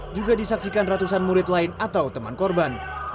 juga disaksikan ratusan murid lain atau teman korban